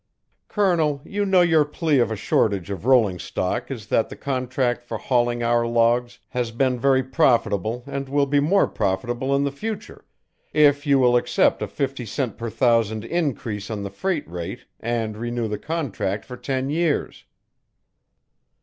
Colonel, you know your plea of a shortage of rolling stock is that the contract for hauling our logs has been very profitable and will be more profitable in the future if you will accept a fifty cent per thousand increase on the freight rate and renew the contract for ten years."